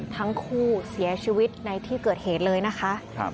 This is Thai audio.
ทั้งคู่เสียชีวิตในที่เกิดเหตุเลยนะคะ